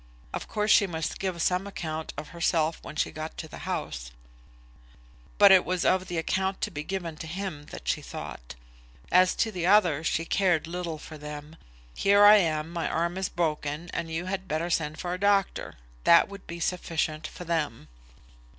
Of course she must give some account of herself when she got to the house; but it was of the account to be given to him that she thought. As to the others she cared little for them. "Here I am; my arm is broken; and you had better send for a doctor." That would be sufficient for them.